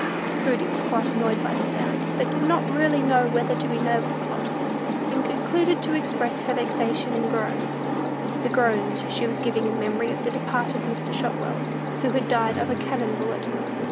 Prudy was quite annoyed by the sound, but did not really know whether to be nervous or not, and concluded to express her vexation in groans: the groans she was giving in memory of the departed Mr. Shotwell, who had died of a "cannon bullet."